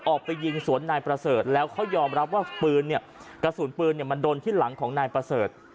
ออกไปยิงสวนนายประเสริฐแล้วเขายอมรับว่าปืนเนี่ยกระสุนปืนมันโดนที่หลังของนายประเสริฐ